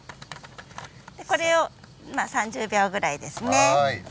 これを３０秒ぐらいですね。